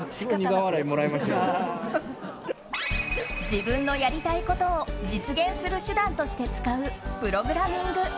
自分のやりたいことを実現する手段として使うプログラミング。